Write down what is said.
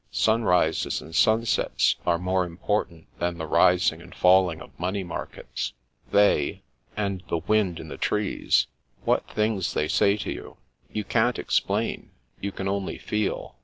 Sunrises and sunsets are more important than the rising and falling of money markets. They — and the wind in the trees. What things they say to you! You can't explain; you can only feel.